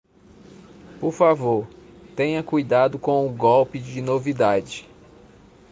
Por favor, tenha cuidado com o golpe de novidade